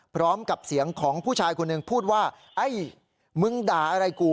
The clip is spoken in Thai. พร้อมกับเสียงของผู้ชายคนหนึ่งพูดว่าไอ้มึงด่าอะไรกู